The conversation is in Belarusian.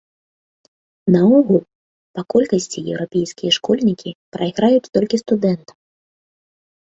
Наогул, па колькасці еўрапейскія школьнікі прайграюць толькі студэнтам.